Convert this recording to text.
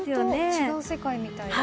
違う世界みたいな。